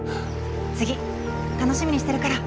次楽しみにしてるから。